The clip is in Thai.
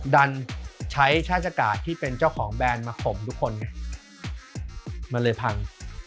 ดันใช้ชาติกาศที่เป็นเจ้าของแบรนด์มาข่มทุกคนมันเลยพัง